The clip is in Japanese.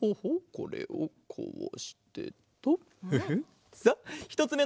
これをこうしてっと。